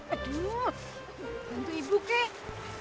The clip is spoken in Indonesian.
aduh bantu ibu kek